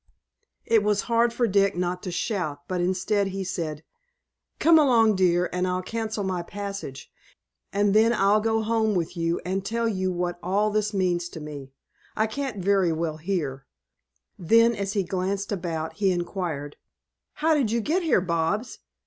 It was hard for Dick not to shout, but, instead, he said: "Come along, dear, and I'll cancel my passage, and then I'll go home with you and tell you what all this means to me. I can't very well here." Then, as he glanced about, he inquired: "How did you get here, Bobs?